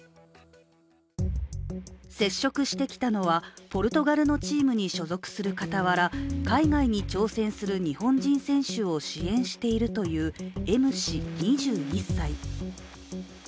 接触してきたのは、ポルトガルのチームに所属する傍ら、海外に挑戦する日本人選手を支援しているというＭ氏、２１歳。